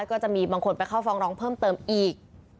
ก็จะมีบางคนไปเข้าฟองร้องเพิ่มเติมอีก